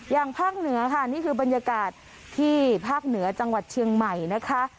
ภาคเหนือค่ะนี่คือบรรยากาศที่ภาคเหนือจังหวัดเชียงใหม่นะคะ